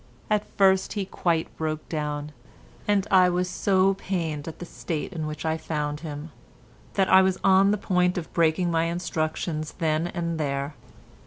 At first he quite broke down, and I was so pained at the state in which I found him, that I was on the point of breaking my instructions then and there.